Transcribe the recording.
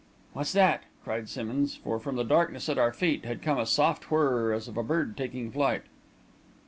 "What's that!" cried Simmonds, for, from the darkness at our feet, had come a soft whirr as of a bird taking flight.